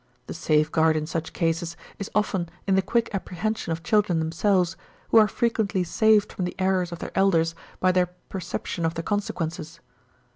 The safe guard in such cases is often in the quick apprehension of children themselves, who are frequently saved from the errors of their elders by their perception of the consequences.